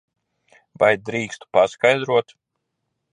Vai drīkstu paskaidrot?